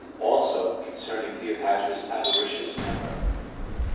Also Concerning Cleopatra's Avaricious Temper.